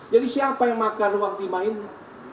jadi siapa yang makan uang timah ini